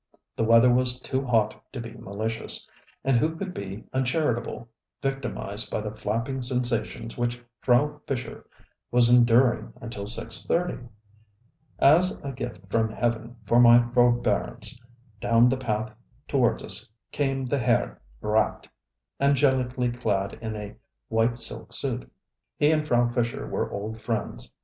The weather was too hot to be malicious, and who could be uncharitable, victimised by the flapping sensations which Frau Fischer was enduring until six thirty? As a gift from heaven for my forbearance, down the path towards us came the Herr Rat, angelically clad in a white silk suit. He and Frau Fischer were old friends.